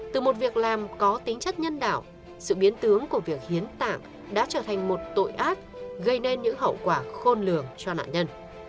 từ một việc làm có tính chất nhân đạo sự biến tướng của việc hiến tạng đã trở thành một tội ác gây nên những hậu quả khôn lường cho nạn nhân